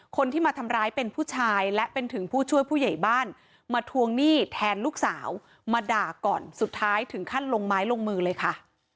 คนที่มาทำร้ายเป็นผู้ชายและเป็นถึงผู้ช่วยผู้ใหญ่บ้านมาทวงหนี้แทนลูกสาวมาด่าก่อนสุดท้ายถึงขั้นลงไม้ลงมือเลยค่ะ